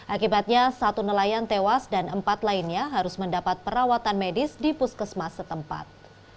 akibatnya satu nelayan tewas dan empat lainnya harus mendapat perawatan medis di puskesmas setempat